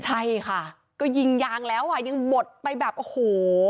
ใช่ค่ะก็ยิงยางแล้วอ่ะยังบดไปแบบโอ้โห